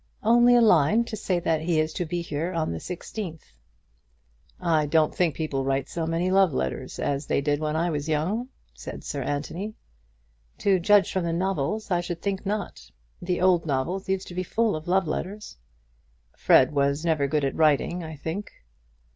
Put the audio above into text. "Only a line to say that he is to be here on the sixteenth." "I don't think people write so many love letters as they did when I was young," said Sir Anthony. "To judge from the novels, I should think not. The old novels used to be full of love letters." "Fred was never good at writing, I think."